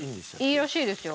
いいらしいですよ。